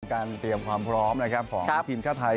การเตรียมความพร้อมของทีมชาติไทย